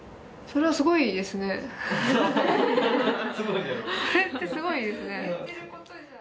それってすごいですね。